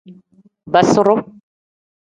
Basiru.